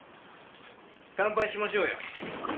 乾杯しましょうよ。